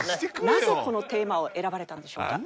なぜこのテーマを選ばれたんでしょうか？